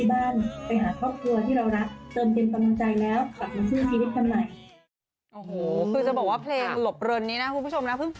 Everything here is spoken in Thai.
ซิงเกิ้ลใหม่นักศึกธรรมนกที่ร้องคู่กันกับอาจารย์แข่งในหัวหน้านะคะ